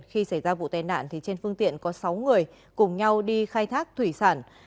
khi xảy ra vụ tai nạn trên phương tiện có sáu người cùng nhau đi khai thác thủy sản